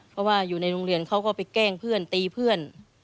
เพราะว่าอยู่ในโรงเรียนเขาก็ไปแกล้งเพื่อนตีเพื่อน